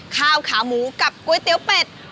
ข้าวขาหมูกับก๋วยเตี๋ยวเป็ด